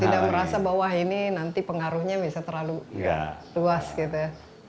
tidak merasa bahwa ini nanti pengaruhnya bisa terlalu luas gitu ya